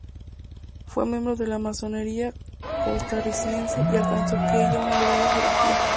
Fue miembro de la masonería costarricense y alcanzó en ella una elevada jerarquía.